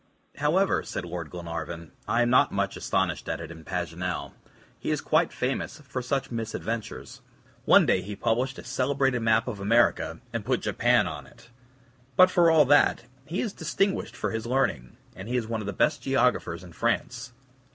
"However," said Lord Glenarvan, "I am not much astonished at it in Paganel. He is quite famous for such misadventures. One day he published a celebrated map of America, and put Japan in it! But for all that, he is distinguished for his learning, and he is one of the best geographers in France."